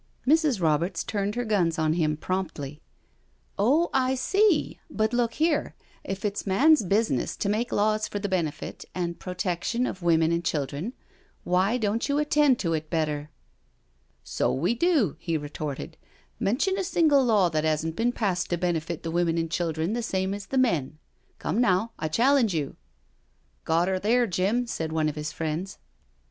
Mrs. Roberts turned her guns on him promptly: " Oh, I see — ^but look here, if it's man's business to make laws for the benefit and protection of women and children, why don't you attend to it better?" '* So we do," he retorted. " Mention a single law that hasn't been passed to benefit the women and children the same as the men. — Come, now, I challenge you I'* " Got 'er there, Jim," said one of his friends.